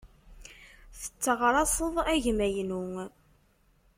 Tetteɣraṣeḍ agma-inu.